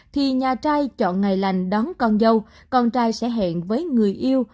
thì nhà trai chọn ngày lành đón con dâu con trai sẽ hẹn với người yêu